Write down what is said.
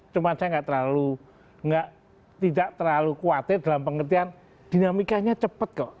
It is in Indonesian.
cuma saya gak terlalu tidak terlalu khawatir dalam pengertian dinamikanya cepet kok